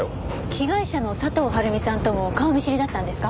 被害者の佐藤晴美さんとも顔見知りだったんですか？